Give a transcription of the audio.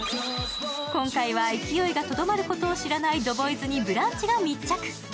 今回は勢いがとどまることを知らないＴＨＥＢＯＹＺに「ブランチ」が密着。